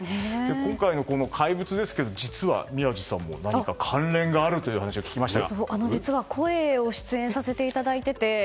今回の「怪物」ですが実は、宮司さんも何か関連があるという話を実は声で出演させていただいていて。